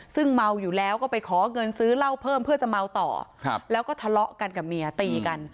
ซึ่งเมาอยู่แล้วก็ไปขอเงินซื้อเหล้าเพิ่มเพื่อจะเมาต่อแล้วก็ทะเลาะกันกับเมียตีกัน